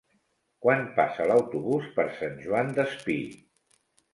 Quan passa l'autobús per Sant Joan Despí?